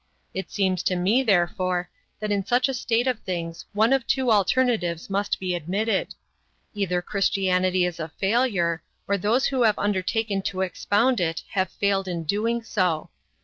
It seems to me, therefore, that in such a state of things one of two alternatives must be admitted: either Christianity is a failure, or those who have undertaken to expound it have failed in doing so.